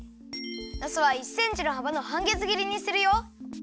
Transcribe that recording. なすは１センチのはばのはんげつ切りにするよ。